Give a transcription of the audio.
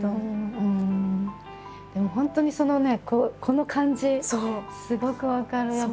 でも本当にそのねこの感じすごく分かる。